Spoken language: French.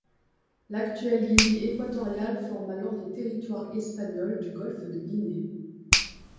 L'actuelle Guinée équatoriale forme alors les territoires espagnols du golfe de Guinée.